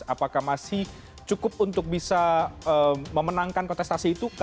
apakah masih cukup untuk bisa memenangkan kontestasi itu